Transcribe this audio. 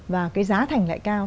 và cái giá thành lại cao